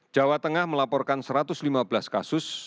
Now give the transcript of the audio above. jawa tengah melaporkan satu ratus lima belas kasus